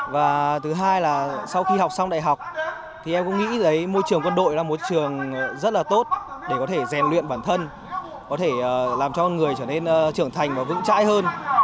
và thứ hai là sau khi học xong đại học thì em cũng nghĩ môi trường quân đội là một trường rất là tốt để có thể rèn luyện bản thân có thể làm cho con người trở nên trưởng thành và vững chãi hơn